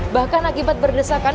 bahkan akibat beresakan